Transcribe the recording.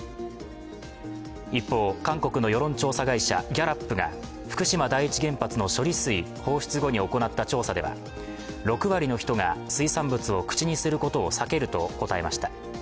一方、韓国の世論調査会社ギャラップが福島第一原発の処理水放出後に行った調査では６割の人が水産物を口にすることを避けると答えました。